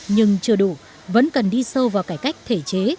nhưng chưa đủ